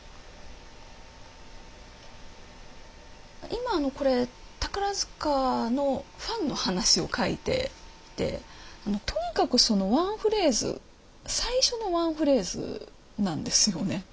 今あのこれ宝塚のファンの話を書いていてとにかくワンフレーズ最初のワンフレーズなんですよね。